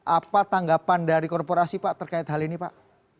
apa tanggapan dari korporasi pak terkait hal ini pak